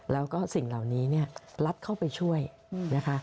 แล้วก็สิ่งเหล่านี้เนี่ยรัฐเข้าไปช่วยนะคะ